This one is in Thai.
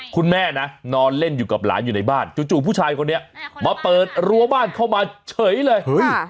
คุณแม่นะนอนเล่นอยู่กับหลานอยู่ในบ้านจู่ผู้ชายคนนี้มาเปิดรั้วบ้านเข้ามาเฉยเลย